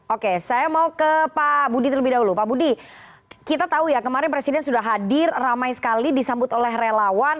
oke saya mau ke pak budi terlebih dahulu pak budi kita tahu ya kemarin presiden sudah hadir ramai sekali disambut oleh relawan